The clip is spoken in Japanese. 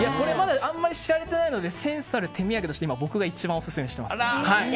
あまり知られてないのでセンスある手土産として僕が一番オススメしています。